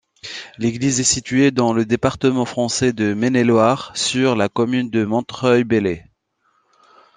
L'église est située dans le département français de Maine-et-Loire, sur la commune de Montreuil-Bellay.